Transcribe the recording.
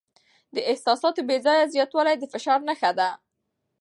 د احساساتو بې ځایه زیاتوالی د فشار نښه ده.